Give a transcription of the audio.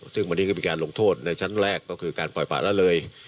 ซึ่งวันนี้ก็มีการลงโทษในชั้นแรกก็คือการปล่อยป่าละเลย